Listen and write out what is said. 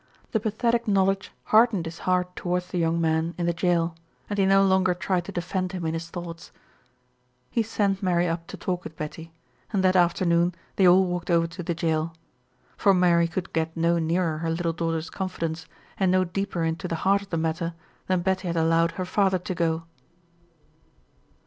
The pathetic knowledge hardened his heart toward the young man in the jail, and he no longer tried to defend him in his thoughts. He sent Mary up to talk with Betty, and that afternoon they all walked over to the jail; for Mary could get no nearer her little daughter's confidence, and no deeper into the heart of the matter than Betty had allowed her father to go.